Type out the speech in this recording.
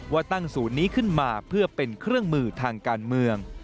ว่าตั้งศูนย์นี้ขึ้นมาเพื่อเป็นเครื่องมือทางการเมือง